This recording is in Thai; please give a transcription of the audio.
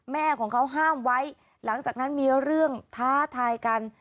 แม่ของเขาห้ามไว้หลังจากนั้นมีเรื่องท้าทายกัน